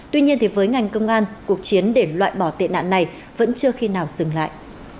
tuy nhiên thì với ngành công an cuộc chiến để loại bỏ tệ nạn này vẫn chưa khi nào dừng lại